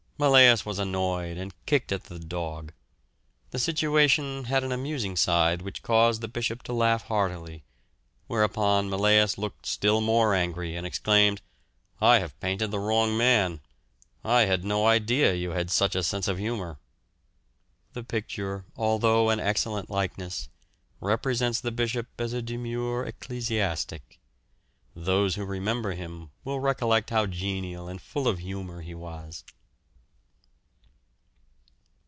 Millais was annoyed and kicked at the dog. The situation had an amusing side which caused the Bishop to laugh heartily, whereupon Millais looked still more angry, and exclaimed, "I have painted the wrong man, I had no idea you had such a sense of humour." The picture, although an excellent likeness, represents the Bishop as a demure ecclesiastic. Those who remember him will recollect how genial and full of humour he was.